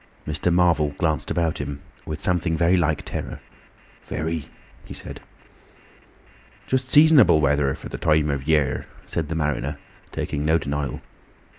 Mr. Marvel glanced about him with something very like terror. "Very," he said. "Just seasonable weather for the time of year," said the mariner, taking no denial.